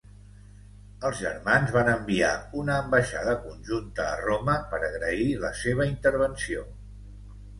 Els germans van enviar una ambaixada conjunta a Roma per agrair la seva intervenció.